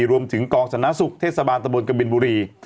รวมถึงกองสนสุขเทศบาลตะบนกบินบุรี